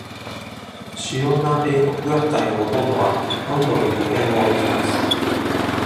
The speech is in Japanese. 主要な英国学会のほとんどはロンドンに拠点を置いています。